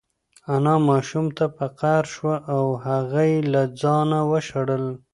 انا ماشوم ته په قهر شوه او هغه یې له ځانه وشړل.